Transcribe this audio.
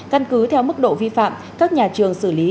căn cứ theo mức độ vi phạm các nhà trường xử lý